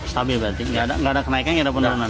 stabil berarti ga ada kenaikan ga ada penurunan